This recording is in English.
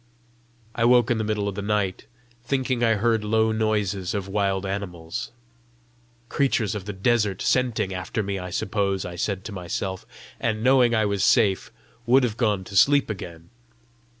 I woke in the middle of the night, thinking I heard low noises of wild animals. "Creatures of the desert scenting after me, I suppose!" I said to myself, and, knowing I was safe, would have gone to sleep again.